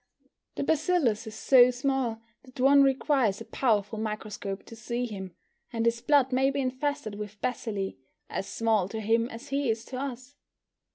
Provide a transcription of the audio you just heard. The bacillus is so small that one requires a powerful microscope to see him, and his blood may be infested with bacilli as small to him as he is to us.